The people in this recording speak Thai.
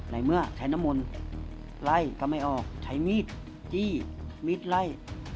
ในเมื่อใช้น้ำมนต์ไล่ก็ไม่ออกใช้มีดจี้มีดไล่